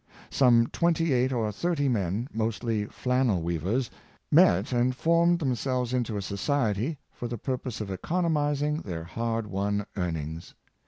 Some twenty eight or thirty men, mostly flannel weavers, met and formed Fruits of Co operation, 429 themselves into a society for the purpose of economizing their hard won earnings.